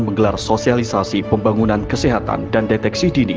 menggelar sosialisasi pembangunan kesehatan dan deteksi dini